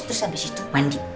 terus abis itu mandi